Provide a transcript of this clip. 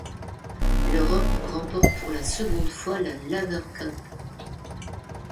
L'Europe remporte pour la seconde fois la Laver Cup.